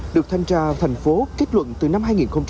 được thanh tra thành phố kết luận từ năm hai nghìn một mươi